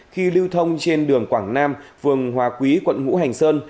khi lưu thông trên đường quảng nam phường hòa quý quận ngũ hành sơn